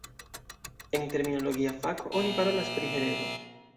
En terminologia fako, oni parolas pri heredo.